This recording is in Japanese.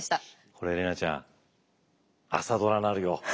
これ怜奈ちゃん「朝ドラ」なるよ。